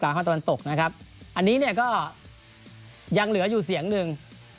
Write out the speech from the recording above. อันนี้เนี่ยยังเหลืออยู่เสียงนึง